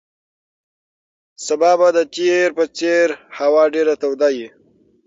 سبا به د تېر په څېر هوا ډېره توده وي.